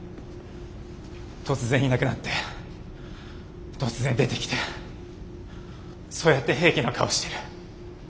突然いなくなって突然出てきてそうやって平気な顔してる。